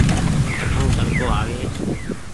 اٺون تڙڪو آوي ۔